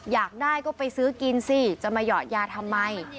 อยากได้ก็ไปซื้อกินสิจะมาหยอดยาทำไม